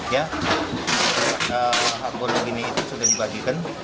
ya hak kologi ini itu sudah dibagikan